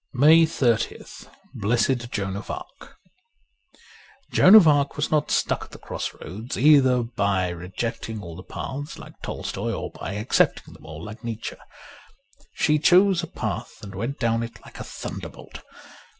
'' 163 MAY 30th BLESSED JOAN OF ARC JOAN of Arc was not stuck at the Cross Roads either by rejecting all the paths like Tolstoy or by accepting them all like Nietzsche. She chose a path and went down it like a thunderbolt.